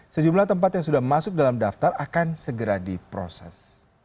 sejumlah tempat yang sudah masuk dalam daftar akan segera diproses